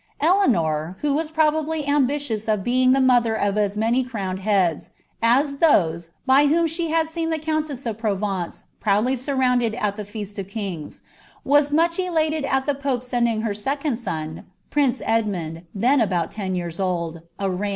* Eleanor, who was probably ambitious of being the motlier of as many cmwned heads, as those, by whom she had seen the countess of Pro vence proudly surrounded at the feast of kings, was much elated at the pope sending her second son, prince Ekimund, then about ten years old, ■BLPvis.